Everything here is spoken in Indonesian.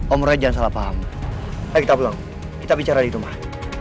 umurnya jangan salah paham ayo kita pulang kita bicara di rumah